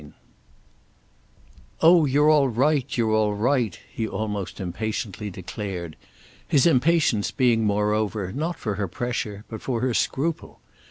II "Oh, you're all right, you're all right," he almost impatiently declared; his impatience being moreover not for her pressure, but for her scruple.